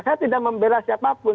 saya tidak membera siapapun